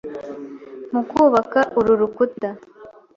mu kubaka uru rukuta